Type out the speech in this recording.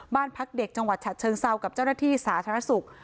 บ้านพักเด็กจังหวัดฉะเชิงเซากับเจ้าหน้าที่สาธารณสุข